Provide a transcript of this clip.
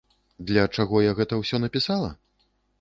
Для чаго я гэта ўсё напісала?